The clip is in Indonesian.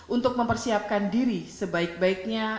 untuk mempersiapkan diri sebaik baiknya